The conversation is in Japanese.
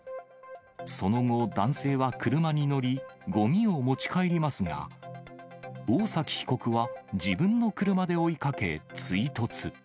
その後、男性は車に乗り、ごみを持ち帰りますが、大崎被告は自分の車で追いかけ追突。